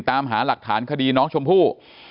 ตามหาหลักฐานคดีน้องชมพู่